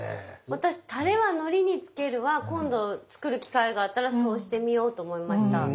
私「タレはのりにつける」は今度作る機会があったらそうしてみようと思いました。